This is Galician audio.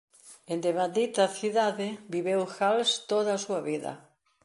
En devandita cidade viviu Hals toda a súa vida.